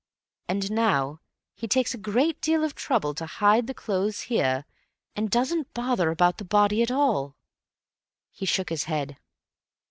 And now he takes a great deal of trouble to hide the clothes here, and doesn't bother about the body at all." He shook his head.